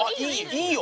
いいよ！